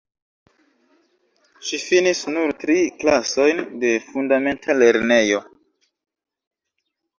Ŝi finis nur tri klasojn de fundamenta lernejo.